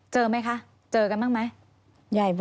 เจอไหมคะเจอกันบ้างไหม